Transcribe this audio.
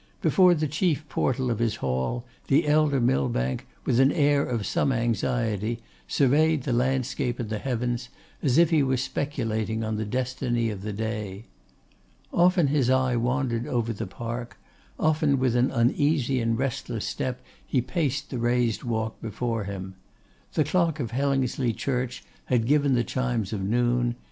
Before the chief portal of his Hall, the elder Millbank, with an air of some anxiety, surveyed the landscape and the heavens, as if he were speculating on the destiny of the day. Often his eye wandered over the park; often with an uneasy and restless step he paced the raised walk before him. The clock of Hellingsley church had given the chimes of noon.